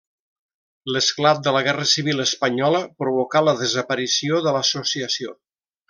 L'esclat de la Guerra Civil Espanyola provocà la desaparició de l'associació.